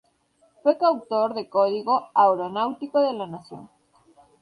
Fue coautor del Código Aeronáutico de la Nación.